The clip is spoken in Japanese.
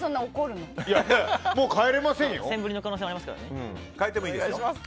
もう変えられませんよ？